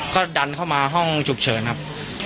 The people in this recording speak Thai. ก็ดันเข้ามาห้องฉุกเฉินครับ